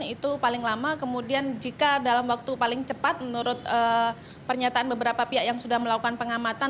itu paling lama kemudian jika dalam waktu paling cepat menurut pernyataan beberapa pihak yang sudah melakukan pengamatan